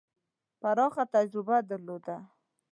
پراخه تجربه درلوده.